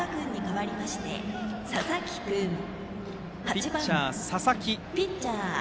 ピッチャー、佐々木。